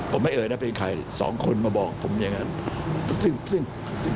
บอกไม่เอ๋ยน่าเป็นใครสองคนมาบอกผมอย่างนั้น